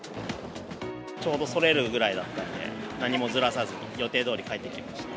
ちょうどそれるぐらいだったんで、何もずらさずに、予定どおり帰ってきました。